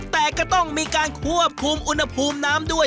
แต่ก็ต้องมีการควบคุมอุณหภูมิน้ำด้วย